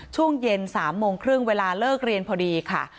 ช่วงเย็น๓โมงครึ่งเวลาเลิกเรียนพอดีค่ะ